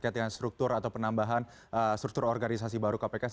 sehingga pada akhirnya nanti kembali ke argumentasi saya yang awal